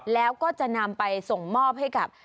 แล้วก็จะนำไปส่งมอบให้กับ